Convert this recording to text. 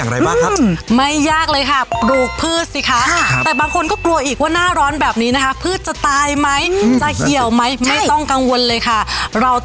เทมากมันสามารถกันได้แบบร้อยเปอร์เซ็นต์เลยนะคะ